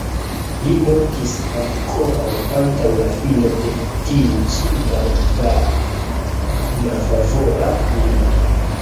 Li mortis ankoraŭ antaŭ la fino de tiu ĉi malfavora milito.